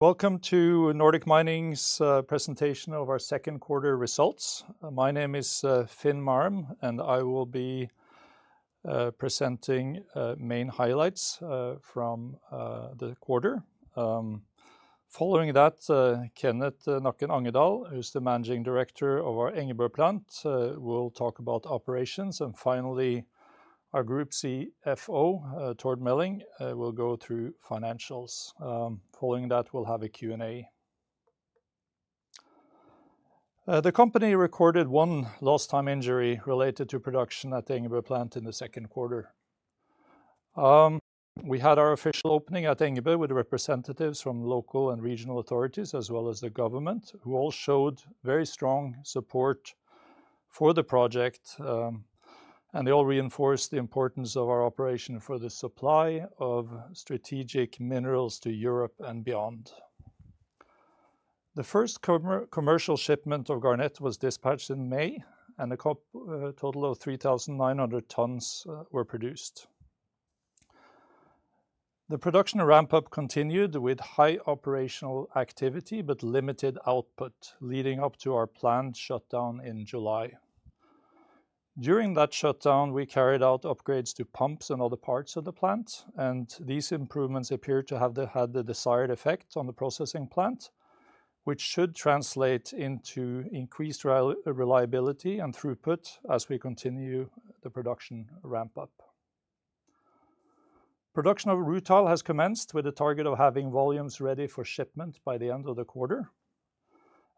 Welcome to Nordic Mining's presentation of our second quarter results. My name is Finn Ivar Marum, and I will be presenting the main highlights from the quarter. Following that, Kenneth Angedal, who is the Managing Director of our Engeberg plant, will talk about operations. Finally, our Group CFO, Tord Meling, will go through financials. Following that, we'll have a Q&A. The company recorded one lost-time injury related to production at the Engeberg plant in the second quarter. We had our official opening at Engeberg with representatives from local and regional authorities, as well as the government, who all showed very strong support for the project. They all reinforced the importance of our operation for the supply of strategic minerals to Europe and beyond. The first commercial shipment of garnet was dispatched in May, and a total of 3,900 tons were produced. The production ramp-up continued with high operational activity but limited output, leading up to our planned shutdown in July. During that shutdown, we carried out upgrades to pumps and other parts of the plant, and these improvements appear to have had the desired effect on the processing plant, which should translate into increased reliability and throughput as we continue the production ramp-up. Production of rutile has commenced with a target of having volumes ready for shipment by the end of the quarter.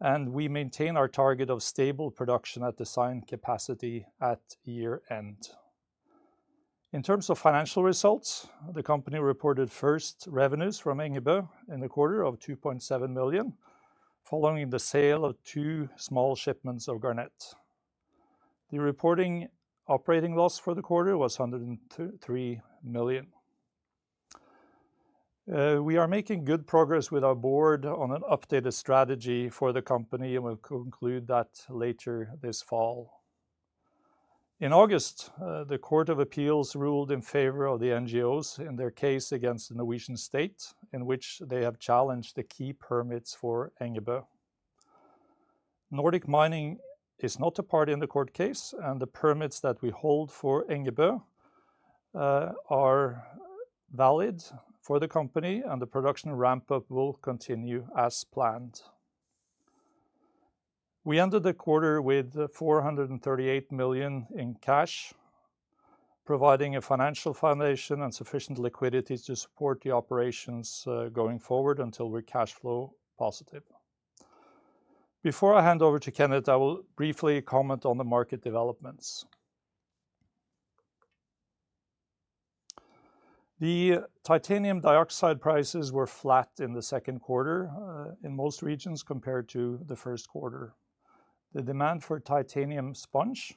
We maintain our target of stable production at the signed capacity at year-end. In terms of financial results, the company reported first revenues from Engeberg in the quarter of 2.7 million, following the sale of two small shipments of garnet. The reported operating loss for the quarter was 103 million. We are making good progress with our board on an updated strategy for the company, and we'll conclude that later this fall. In August, the Court of Appeals ruled in favor of the NGOs in their case against the Norwegian state, in which they have challenged the key permits for Engeberg. Nordic Mining is not a party in the court case, and the permits that we hold for Engeberg are valid for the company, and the production ramp-up will continue as planned. We ended the quarter with 438 million in cash, providing a financial foundation and sufficient liquidity to support the operations going forward until we're cash flow positive. Before I hand over to Kenneth, I will briefly comment on the market developments. The titanium dioxide prices were flat in the second quarter in most regions compared to the first quarter. The demand for titanium sponge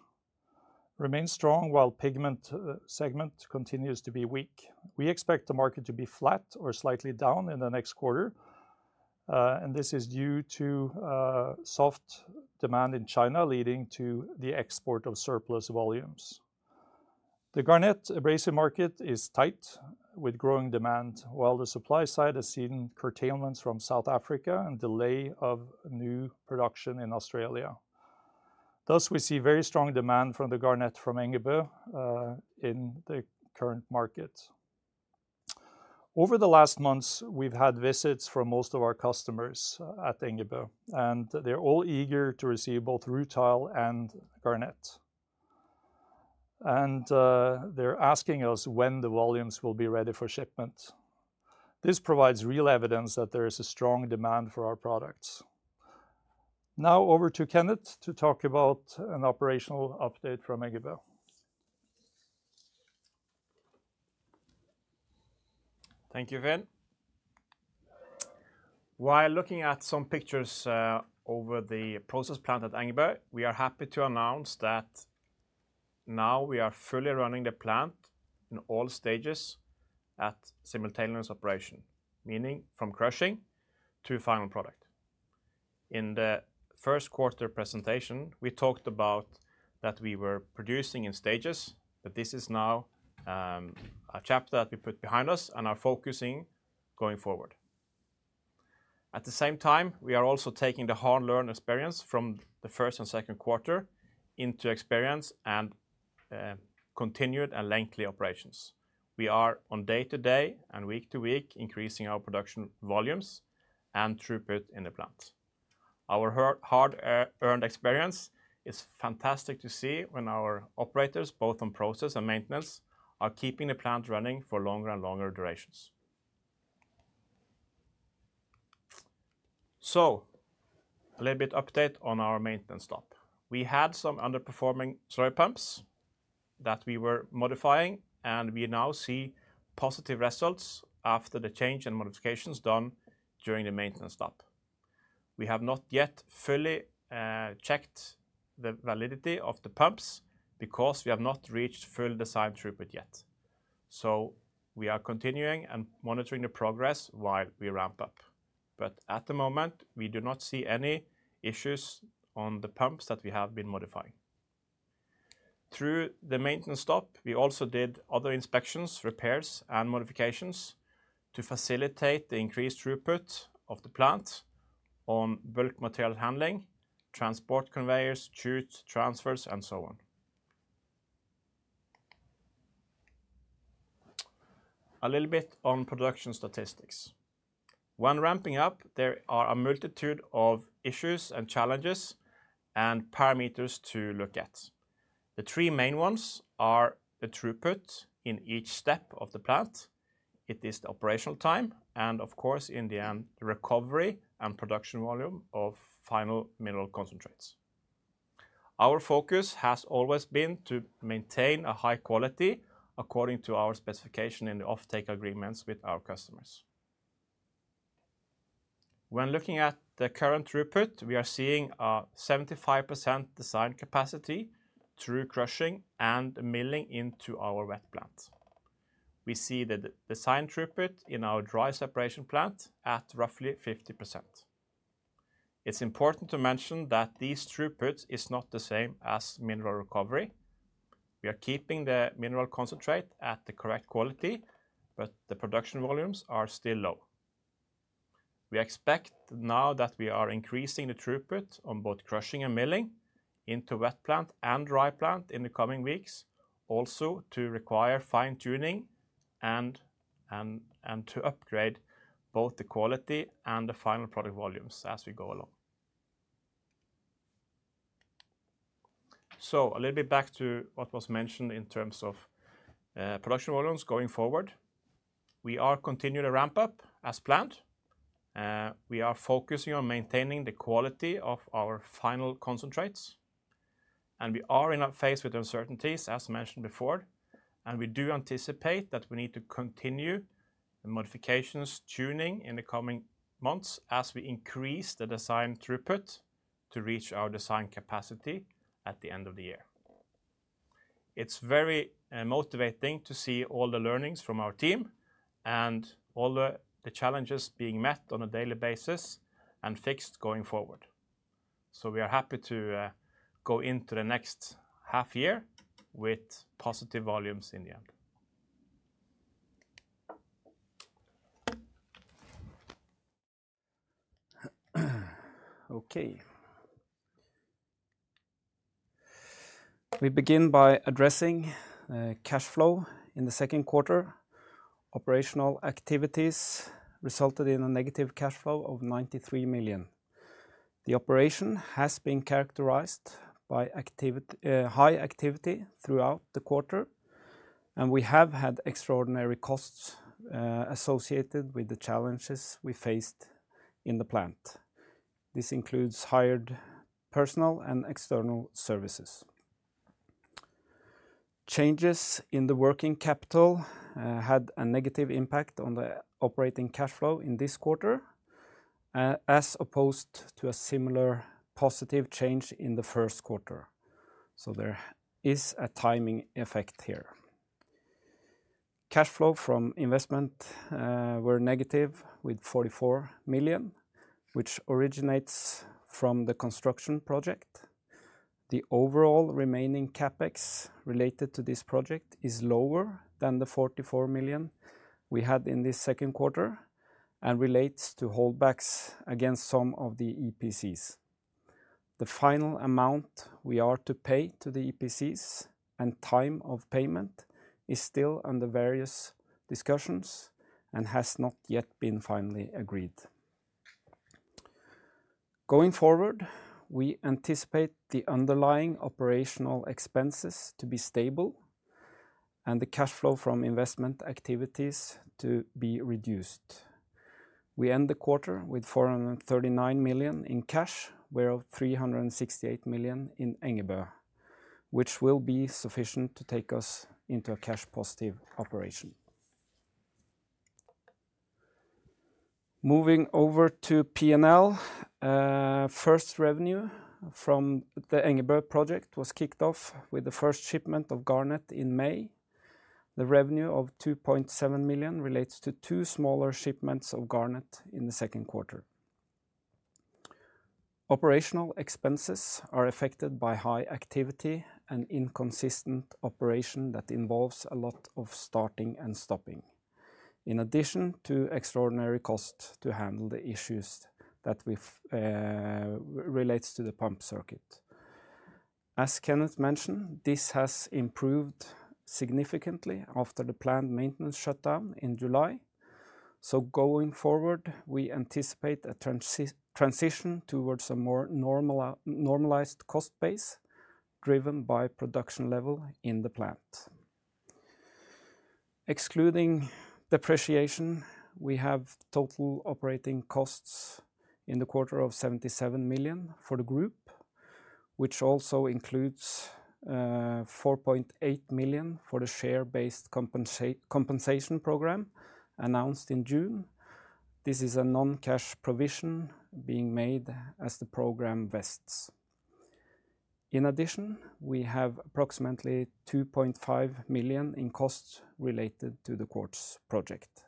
remains strong, while the pigment segment continues to be weak. We expect the market to be flat or slightly down in the next quarter, and this is due to soft demand in China, leading to the export of surplus volumes. The garnet abrasive market is tight with growing demand, while the supply side has seen curtailments from South Africa and delay of new production in Australia. Thus, we see very strong demand for the garnet from Engeberg in the current market. Over the last months, we've had visits from most of our customers at Engeberg, and they're all eager to receive both rutile and garnet. They're asking us when the volumes will be ready for shipment. This provides real evidence that there is a strong demand for our products. Now over to Kenneth to talk about an operational update from Engeberg. Thank you, Finn. While looking at some pictures over the process plant at Engeberg, we're happy to announce that now we are fully running the plant in all stages at simultaneous operation, meaning from crushing to final product. In the first quarter presentation, we talked about that we were producing in stages, but this is now a chapter that we put behind us and are focusing going forward. At the same time, we are also taking the hard-earned experience from the first and second quarter into experience and continued and lengthy operations. We are on day-to-day and week-to-week increasing our production volumes and throughput in the plant. Our hard-earned experience is fantastic to see when our operators, both on process and maintenance, are keeping the plant running for longer and longer durations. A little bit update on our maintenance stop. We had some underperforming soil pumps that we were modifying, and we now see positive results after the change and modifications done during the maintenance stop. We have not yet fully checked the validity of the pumps because we have not reached full design throughput yet. We're continuing and monitoring the progress while we ramp up. At the moment, we do not see any issues on the pumps that we have been modifying. Through the maintenance stop, we also did other inspections, repairs, and modifications to facilitate the increased throughput of the plant on bulk material handling, transport conveyors, chute transfers, and so on. A little bit on production statistics. When ramping up, there are a multitude of issues and challenges and parameters to look at. The three main ones are the throughput in each step of the plant. It is the operational time, and of course, in the end, the recovery and production volume of final mineral concentrates. Our focus has always been to maintain a high quality according to our specification in the off-take agreements with our customers. When looking at the current throughput, we are seeing a 75% design capacity through crushing and milling into our wet plant. We see the design throughput in our dry separation plant at roughly 50%. It's important to mention that this throughput is not the same as mineral recovery. We are keeping the mineral concentrate at the correct quality, but the production volumes are still low. We expect now that we are increasing the throughput on both crushing and milling into wet plant and dry plant in the coming weeks, also to require fine-tuning and to upgrade both the quality and the final product volumes as we go along. A little bit back to what was mentioned in terms of production volumes going forward, we are continuing to ramp up as planned. We are focusing on maintaining the quality of our final concentrates. We are in a phase with uncertainties, as mentioned before. We do anticipate that we need to continue the modifications tuning in the coming months as we increase the design throughput to reach our design capacity at the end of the year. It's very motivating to see all the learnings from our team and all the challenges being met on a daily basis and fixed going forward. We are happy to go into the next half year with positive volumes in the end. Okay. We begin by addressing cash flow in the second quarter. Operational activities resulted in a negative cash flow of 93 million. The operation has been characterized by high activity throughout the quarter, and we have had extraordinary costs associated with the challenges we faced in the plant. This includes hired personnel and external services. Changes in the working capital had a negative impact on the operating cash flow in this quarter, as opposed to a similar positive change in the first quarter. There is a timing effect here. Cash flow from investment was negative with 44 million, which originates from the construction project. The overall remaining CapEx related to this project is lower than the 44 million we had in this second quarter and relates to holdbacks against some of the EPCs. The final amount we are to pay to the EPCs and time of payment is still under various discussions and has not yet been finally agreed. Going forward, we anticipate the underlying operational expenses to be stable and the cash flow from investment activities to be reduced. We end the quarter with 439 million in cash, whereas 368 million in Engeberg, which will be sufficient to take us into a cash-positive operation. Moving over to P&L, first revenue from the Engeberg project was kicked off with the first shipment of garnet in May. The revenue of 2.7 million relates to two smaller shipments of garnet in the second quarter. Operational expenses are affected by high activity and inconsistent operation that involves a lot of starting and stopping, in addition to extraordinary costs to handle the issues that relate to the pump circuit. As Kenneth mentioned, this has improved significantly after the planned maintenance shutdown in July. Going forward, we anticipate a transition towards a more normalized cost base, driven by production level in the plant. Excluding depreciation, we have total operating costs in the quarter of 77 million for the group, which also includes 4.8 million for the share-based compensation program announced in June. This is a non-cash provision being made as the program vests. In addition, we have approximately 2.5 million in costs related to the quartz project.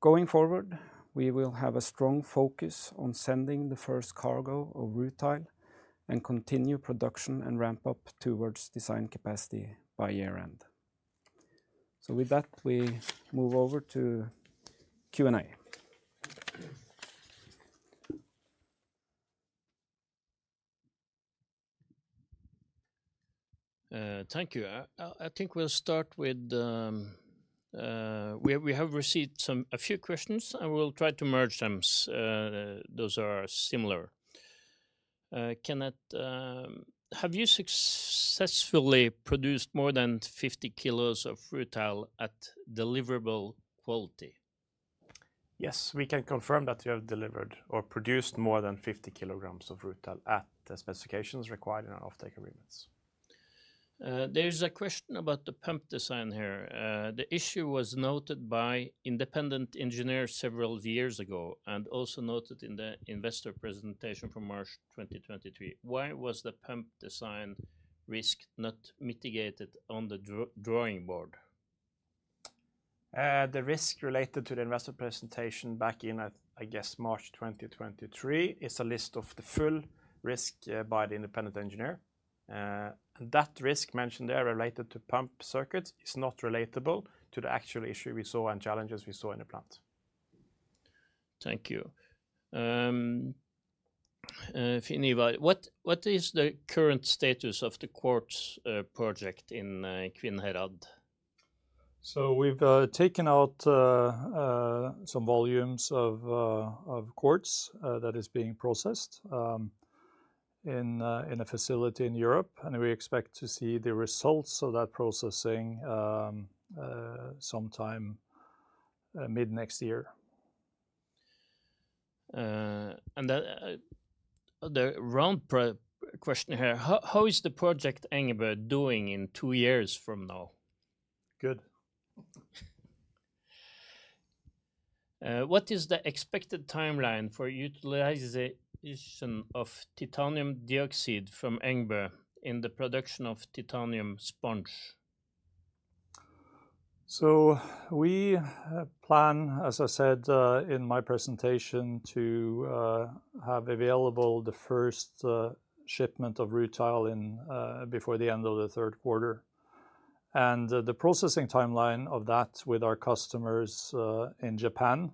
Going forward, we will have a strong focus on sending the first cargo of rutile and continue production and ramp up towards design capacity by year-end. With that, we move over to Q&A. Thank you. I think we'll start with we have received a few questions. I will try to merge them. Those are similar. Kenneth, have you successfully produced more than 50 kilos of rutile at deliverable quality? Yes, we can confirm that we have delivered or produced more than 50 kg of rutile at the specifications required in our off-take agreements. There is a question about the pump design here. The issue was noted by independent engineers several years ago and also noted in the investor presentation from March 2023. Why was the pump design risk not mitigated on the drawing board? The risk related to the investor presentation back in, I guess, March 2023 is a list of the full risk by the independent engineer. That risk mentioned there related to pump circuits is not relatable to the actual issue we saw and challenges we saw in the plant. Thank you. Finn Ivar, what is the current status of the quartz project in Kvinnherad? We have taken out some volumes of quartz that are being processed in a facility in Europe, and we expect to see the results of that processing sometime mid-next year. The round question here, how is the project Engeberg doing in two years from now? Good. What is the expected timeline for utilization of titanium dioxide from Engeberg in the production of titanium sponge? As I said in my presentation, we plan to have available the first shipment of rutile before the end of the third quarter. The processing timeline of that with our customers in Japan,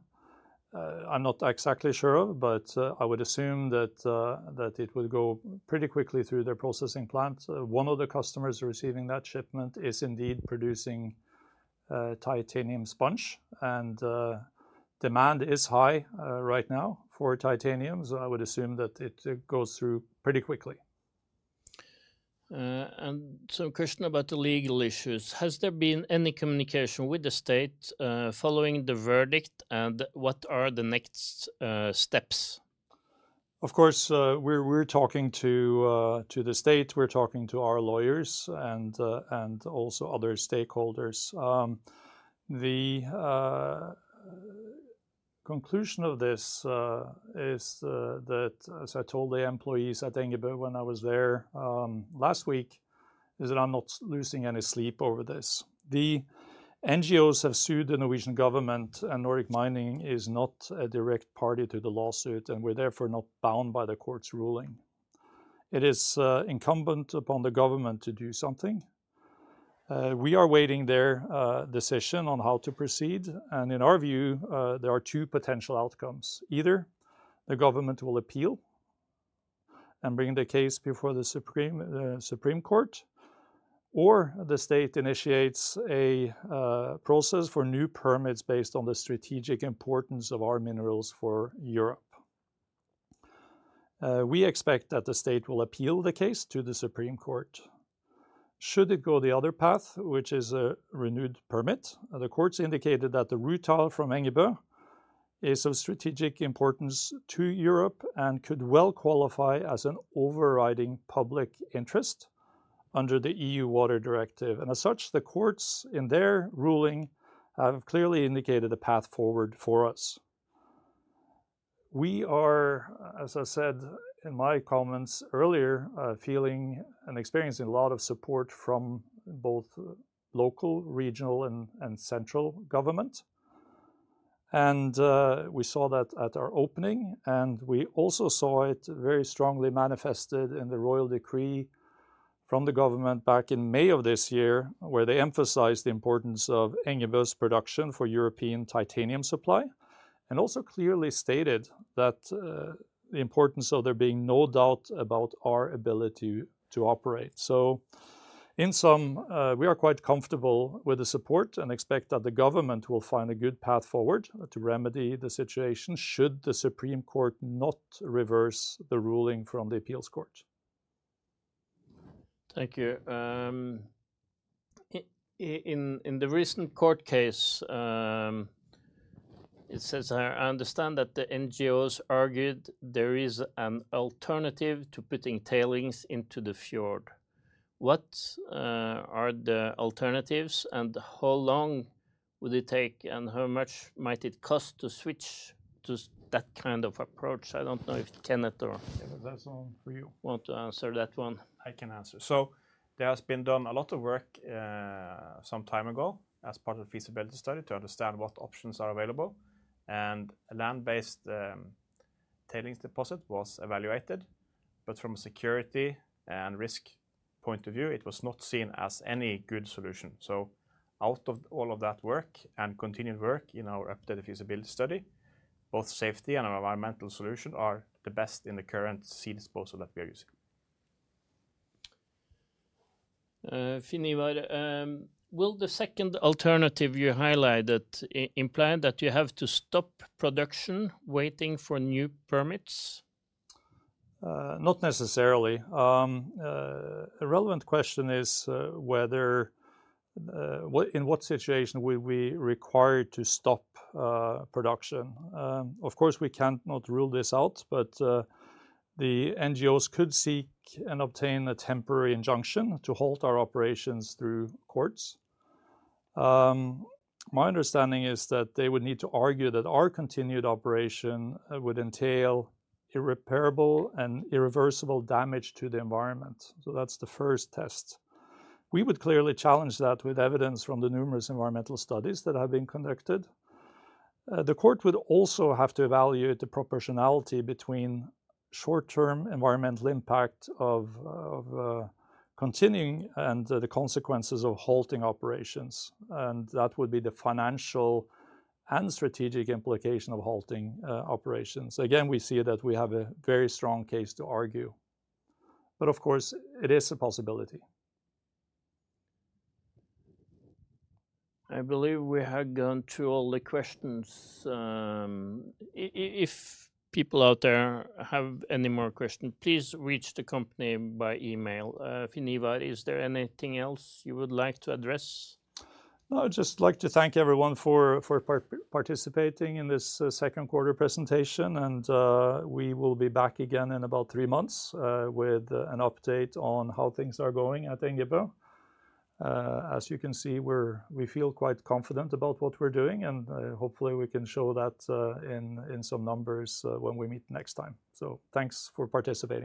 I'm not exactly sure of, but I would assume that it would go pretty quickly through their processing plant. One of the customers receiving that shipment is indeed producing titanium sponge, and demand is high right now for titanium, so I would assume that it goes through pretty quickly. A question about the legal issues. Has there been any communication with the state following the verdict, and what are the next steps? Of course, we're talking to the state, we're talking to our lawyers, and also other stakeholders. The conclusion of this is that, as I told the employees at Engeberg when I was there last week, I'm not losing any sleep over this. The NGOs have sued the Norwegian government, and Nordic Mining is not a direct party to the lawsuit, and we're therefore not bound by the court's ruling. It is incumbent upon the government to do something. We are waiting their decision on how to proceed, and in our view, there are two potential outcomes. Either the government will appeal and bring the case before the Supreme Court, or the state initiates a process for new permits based on the strategic importance of our minerals for Europe. We expect that the state will appeal the case to the Supreme Court. Should it go the other path, which is a renewed permit, the courts indicated that the rutile from Engeberg is of strategic importance to Europe and could well qualify as an overriding public interest under the EU water directive. As such, the courts in their ruling have clearly indicated a path forward for us. We are, as I said in my comments earlier, feeling and experiencing a lot of support from both local, regional, and central government. We saw that at our opening, and we also saw it very strongly manifested in the royal decree from the government back in May of this year, where they emphasized the importance of Engeberg's production for European titanium supply and also clearly stated the importance of there being no doubt about our ability to operate. In sum, we are quite comfortable with the support and expect that the government will find a good path forward to remedy the situation should the Supreme Court not reverse the ruling from the appeals court. Thank you. In the recent court case, I understand that the NGOs argued there is an alternative to putting tailings into the fjord. What are the alternatives, and how long would it take, and how much might it cost to switch to that kind of approach? I don't know if Kenneth or. Yeah, that's on for you. Want to answer that one? I can answer. There has been done a lot of work some time ago as part of the feasibility study to understand what options are available. A land-based tailings deposit was evaluated, but from a security and risk point of view, it was not seen as any good solution. Out of all of that work and continued work in our updated feasibility study, both safety and our environmental solution are the best in the current sea disposal that we are using. Finn Ivar, will the second alternative you highlighted imply that you have to stop production waiting for new permits? Not necessarily. A relevant question is in what situation would we be required to stop production? Of course, we cannot rule this out, but the NGOs could seek and obtain a temporary injunction to halt our operations through quartz. My understanding is that they would need to argue that our continued operation would entail irreparable and irreversible damage to the environment. That's the first test. We would clearly challenge that with evidence from the numerous environmental studies that have been conducted. The court would also have to evaluate the proportionality between short-term environmental impact of continuing and the consequences of halting operations. That would be the financial and strategic implication of halting operations. Again, we see that we have a very strong case to argue. Of course, it is a possibility. I believe we have gone through all the questions. If people out there have any more questions, please reach the company by email. Finn Ivar, is there anything else you would like to address? I'd just like to thank everyone for participating in this second-quarter presentation. We will be back again in about three months with an update on how things are going at Engeberg. As you can see, we feel quite confident about what we're doing, and hopefully, we can show that in some numbers when we meet next time. Thanks for participating.